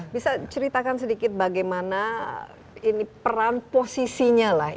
bisa ceritakan sedikit bagaimana ini peran posisinya lah